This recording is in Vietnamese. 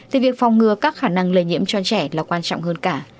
thì việc phòng ngừa các khả năng lây nhiễm cho trẻ là quan trọng hơn cả